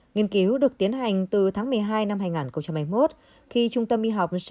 nghiên cứu được tiến hành từ tháng một mươi hai năm hai nghìn hai mươi một khi trung tâm y học